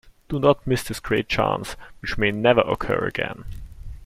Do not miss this great chance, which may never occur again.